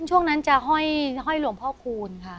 ช่วงนั้นเยี่ยงจะให้ห้อยห้อยห้อยรวมพ่อคูณค่ะ